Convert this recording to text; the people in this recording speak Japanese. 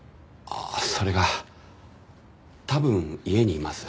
それが多分家にいます。